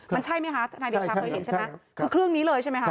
มันใช่ไหมคะทนายเดชาเคยเห็นใช่ไหมคือเครื่องนี้เลยใช่ไหมคะ